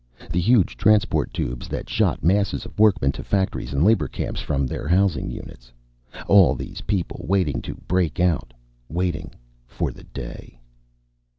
The huge transport tubes that shot masses of workmen to factories and labor camps from their housing units. All these people, waiting to break out. Waiting for the day.